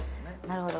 なるほど。